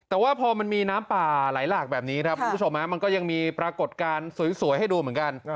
แต่ว่าพอมันมีน้ำป่าไหลหลากแบบนี้ครับคุณผู้ชมมันก็ยังมีปรากฏการณ์สวยให้ดูเหมือนกัน